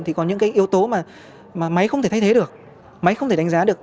thì có những cái yếu tố mà máy không thể thay thế được máy không thể đánh giá được